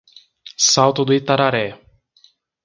Salto do Itararé